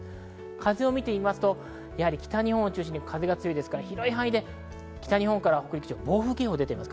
風を見ると、北日本を中心に風が強いので広い範囲で北日本から北陸地方を暴風警報が出ています。